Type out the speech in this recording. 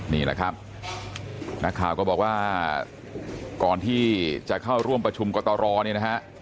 นี่แหละครับนักข่าวก็บอกว่าก่อนที่จะเข้าร่วมประชุมกตรเนี่ยนะฮะ